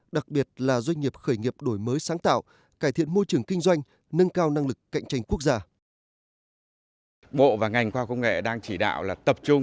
đặc biệt là doanh nghiệp khởi nghiệp đổi mới sáng tạo cải thiện môi trường kinh doanh nâng cao năng lực cạnh tranh quốc gia